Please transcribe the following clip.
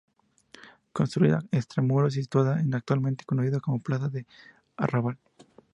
Construida extramuros y situada en la actualmente conocida como Plaza del Arrabal.